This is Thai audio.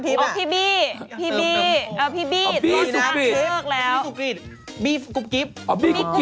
เบี้ยน้ำพริบอะพี่บี้ผู้จำอข้างเครือกแล้ว๋เอ้อตื้อหนึ่งหนึ่ง